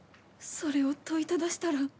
それを問いただしたら。